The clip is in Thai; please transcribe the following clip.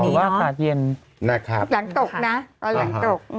หรือว่าอากาศเย็นหลังตกนะตอนหลังตก